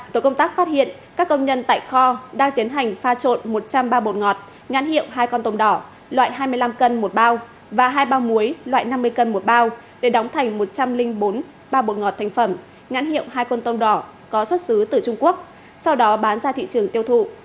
tổ công tác phát hiện các công nhân tại kho đang tiến hành pha trộn một trăm linh bao bột ngọt nhãn hiệu hai con tôm đỏ loại hai mươi năm cân một bao và hai bao muối loại năm mươi cân một bao để đóng thành một trăm linh bốn bao bột ngọt thành phẩm nhãn hiệu hai con tôm đỏ có xuất xứ từ trung quốc sau đó bán ra thị trường tiêu thụ